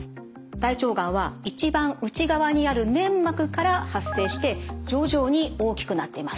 大腸がんは一番内側にある粘膜から発生して徐々に大きくなってます。